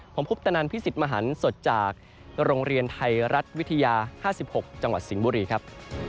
ผมคุปตนันพิสิทธิ์มหันสดจากโรงเรียนไทยรัฐวิทยา๕๖จังหวัดสิงห์บุรีครับ